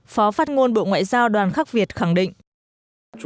phó phát ngôn bộ ngoại giao đoàn khắc việt khẳng định